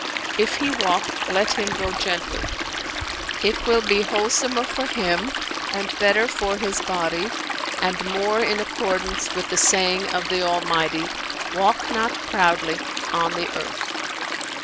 If he walk, let him go gently; it will be wholesomer for him and better for his body and more in accordance with the saying of the Almighty, 'Walk not proudly on the earth.'"